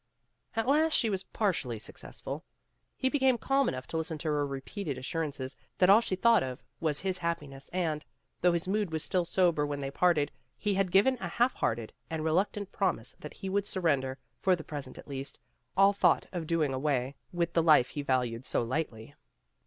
At last she was partially successful. He be came calm enough to listen to her repeated assurances that all she thought of was his happiness and, though his mood was still sober when they parted, he had given a half hearted and reluctant promise that he would surrender, for the present at least, all thought of doing away with the life he valued so lightly.